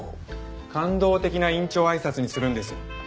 感動的な院長挨拶にするんです。